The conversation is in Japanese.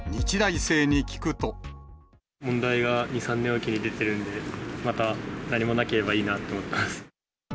問題が２、３年置きに出ているので、また、何もなければいいなと思ってます。